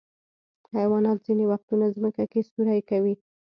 حیوانات ځینې وختونه ځمکه کې سوری کوي.